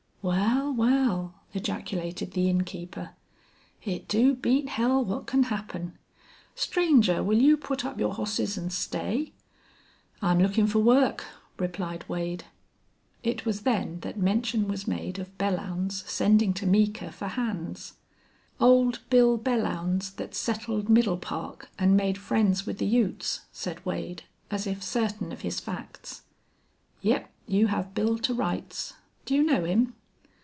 "Wal! Wal!" ejaculated the innkeeper. "It do beat hell what can happen!... Stranger, will you put up your hosses an' stay?" "I'm lookin' for work," replied Wade. It was then that mention was made of Belllounds sending to Meeker for hands. "Old Bill Belllounds thet settled Middle Park an' made friends with the Utes," said Wade, as if certain of his facts. "Yep, you have Bill to rights. Do you know him?"